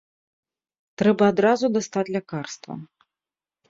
Трэба адразу дастаць лякарства.